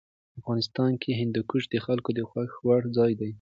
افغانستان کې هندوکش د خلکو د خوښې وړ ځای دی.